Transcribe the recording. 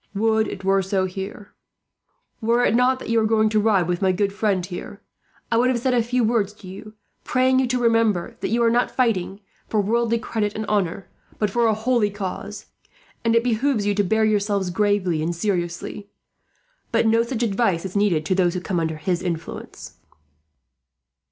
Would it were so here. "Were it not that you are going to ride with my good friend here, I would have said a few words to you; praying you to remember that you are fighting, not for worldly credit and honour, but for a holy cause, and it behoves you to bear yourselves gravely and seriously. But no such advice is needed to those who come under his influence."